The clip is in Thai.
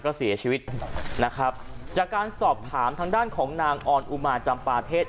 ก็เสียชีวิตนะครับจากการสอบถามทางด้านของนางออนอุมาจำปาเทศ